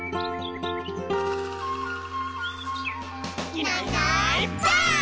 「いないいないばあっ！」